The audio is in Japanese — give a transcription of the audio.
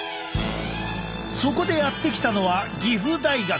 そこでやって来たのは岐阜大学。